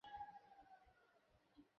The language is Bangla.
চাঁদের মতো সাদা?